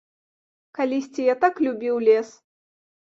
Калісьці я так любіў лес.